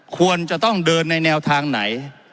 ควรจะต้องเดินในแนวทางไหน